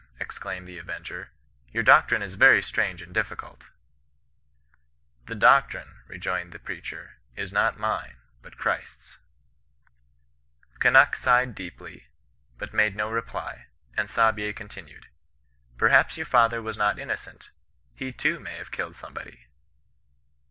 exclaimed the avenger. ' Your doctrine is veiy strange and difficult.' —* The doctrine,' rejoined the preacher, ' is not mine, but Christ's.' ''Eunnuk sighed deeply, but made no reply; and Saabye continued, ' Perhaps your father was not inno cent ; he too may have killed somebody.'